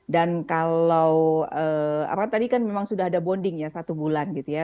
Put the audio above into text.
dan kalau karena tadi kan memang sudah ada bonding ya satu bulan gitu ya